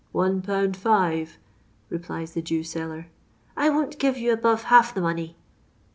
"One pound five," replies the Jew seller. " I won't give you above luUf the money."